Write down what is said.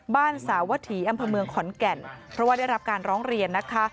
สาวถีอำเภอเมืองขอนแก่นเพราะว่าได้รับการร้องเรียนนะคะ